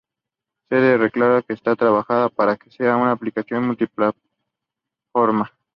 Cabe recalcar que se está trabajando para que sea una aplicación multiplataforma.